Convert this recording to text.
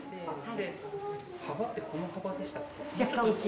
幅ってこの幅でしたっけ？